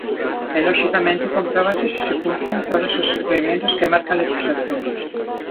E loxicamente compróbase se se cumpren todos os requirimentos que marca a lexislación.